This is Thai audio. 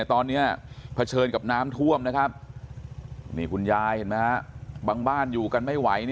ตอนนี้เผชิญกับน้ำท่วมนะครับนี่คุณยายเห็นไหมฮะบางบ้านอยู่กันไม่ไหว